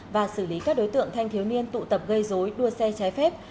và xử lý các đối tượng thanh thiếu niên tụ tập gây dối đua xe trái phép